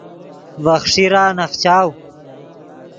ڤے خیݰیرا نخچاؤ